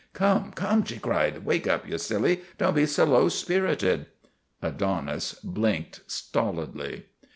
" Come, come! " she cried. " Wake up, ye silly. Don't be so low spirited." Adonis blinked stolidly.